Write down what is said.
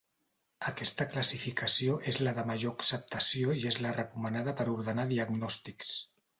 Aquesta classificació és la de major acceptació i és la recomanada per ordenar diagnòstics.